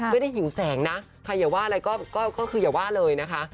หิวแสงนะใครอย่าว่าอะไรก็คืออย่าว่าเลยนะคะ